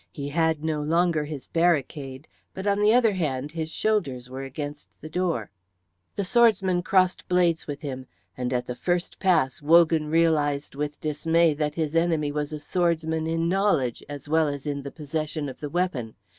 He had no longer his barricade, but on the other hand his shoulders were against the door. The swordsman crossed blades with him, and at the first pass Wogan realised with dismay that his enemy was a swordsman in knowledge as well as in the possession of the weapon.